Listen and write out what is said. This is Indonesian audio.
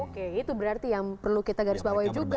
oke itu berarti yang perlu kita garis bawahi juga